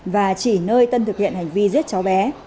và chỉ nơi tân thực hiện hành vi giết cháu bé